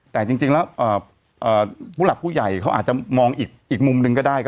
ทุกคนพ่อหลักผู้ใหญ่เขาอาจมองอีกอีกมุมนึงก็ได้